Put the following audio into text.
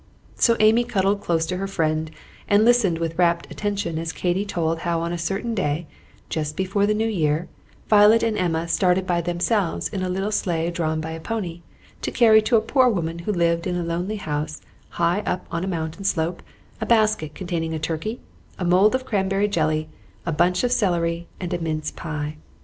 So Amy cuddled close to her friend, and listened with rapt attention as Katy told how on a certain day just before the New Year, Violet and Emma started by themselves in a little sleigh drawn by a pony, to carry to a poor woman who lived in a lonely house high up on a mountain slope a basket containing a turkey, a mould of cranberry jelly, a bunch of celery, and a mince pie.